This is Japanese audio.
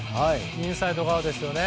右サイド側ですよね。